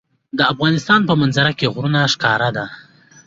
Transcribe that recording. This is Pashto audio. د افغانستان په منظره کې غرونه ښکاره ده.